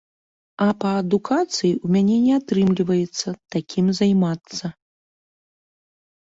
А па адукацыі ў мяне не атрымліваецца такім займацца.